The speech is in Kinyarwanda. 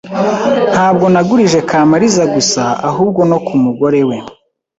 Ntabwo nagurije Kamaliza gusa, ahubwo no ku mugore we.